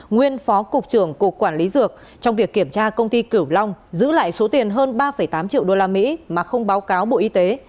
nguyên phó cục trưởng cục quản lý dược trong việc kiểm tra công ty cửu long giữ lại số tiền hơn ba tám triệu đô la mỹ mà không báo cáo bộ y tế